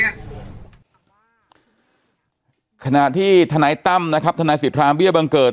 มาแค่เนี้ยขณะที่ธนัยตั้มนะครับธนัยสิทธิ์ธรรมเบี้ยบังเกิด